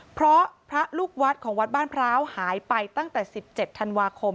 เพราะพระลูกวัดของวัดบ้านพร้าวหายไปตั้งแต่๑๗ธันวาคม